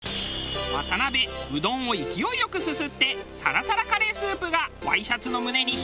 渡辺うどんを勢いよくすすってサラサラカレースープがワイシャツの胸にヒット！